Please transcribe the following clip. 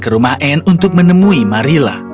ke rumah anne untuk menemui marila